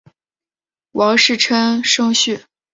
王士禛甥婿。